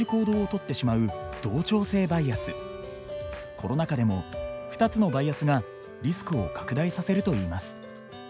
コロナ禍でも２つのバイアスがリスクを拡大させるといいます。